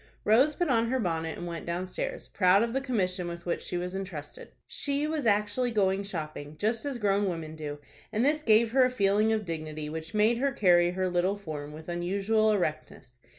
Rose put on her bonnet, and went downstairs, proud of the commission with which she was intrusted. She was actually going shopping, just as grown women do, and this gave her a feeling of dignity which made her carry her little form with unusual erectness.